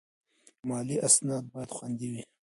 مالي اسناد باید خوندي وي.